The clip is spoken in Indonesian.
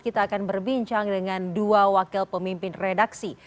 kita akan berbincang dengan dua wakil pemimpin redaksi